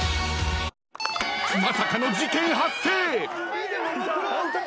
まさかの事件発生。